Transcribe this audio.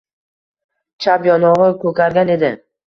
Chap yonog‘i ko‘kargan edi.